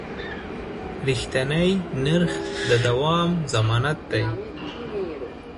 رښتیني نرخ د دوام ضمانت دی.